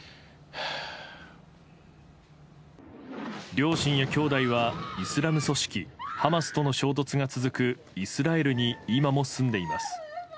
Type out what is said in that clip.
両親や兄弟はイスラム組織ハマスとの衝突が続くイスラエルに今も住んでいます。